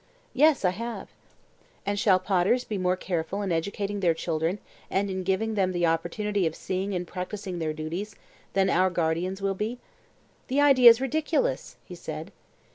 Yes, I have. And shall potters be more careful in educating their children and in giving them the opportunity of seeing and practising their duties than our guardians will be? The idea is ridiculous, he said.